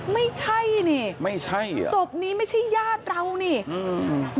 ไม่ใช่นี่ไม่ใช่เหรอศพนี้ไม่ใช่ญาติเรานี่อืม